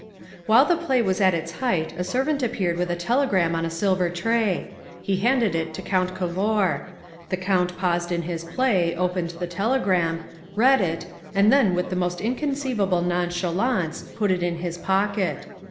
"While the play was at its height a servant appeared with a telegram on a silver tray. He handed it to Count Cavour. The Count paused in his play, opened the telegram, read it and then with the most inconceivable nonchalance, put it in his pocket.